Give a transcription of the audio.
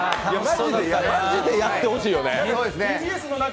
マジでやってほしいよね。